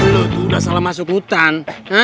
lu tuh udah salah masuk hutan